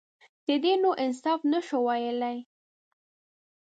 _دې ته نو انصاف نه شو ويلای.